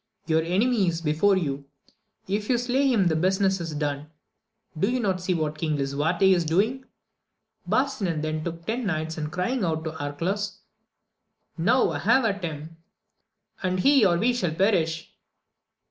Your enemy is before you, if you slay him the business is done; do you not s see what King Lisuarte is doing? Barsinan then took ten knights, and crying out to Arcalaus, Now have at him ! and he or we shall perish